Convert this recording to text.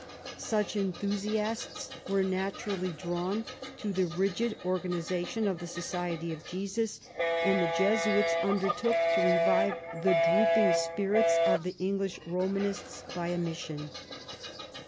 Such enthusiasts were naturally drawn to the rigid organisation of the Society of Jesus, and the Jesuits undertook to revive the drooping spirits of the English Romanists by a mission.